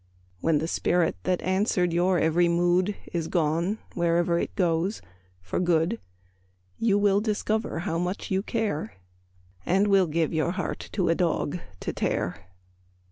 When the spirit that answered your every mood Is gone wherever it goes for good, You will discover how much you care, And will give your heart to a dog to tear!